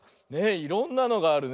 いろんなのがあるね。